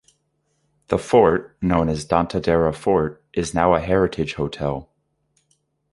The fort, known as Danta Dera Fort, is now a heritage hotel.